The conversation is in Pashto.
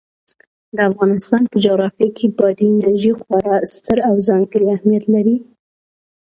د افغانستان په جغرافیه کې بادي انرژي خورا ستر او ځانګړی اهمیت لري.